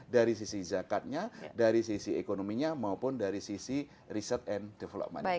dari sisi zakatnya dari sisi ekonominya maupun dari sisi research and development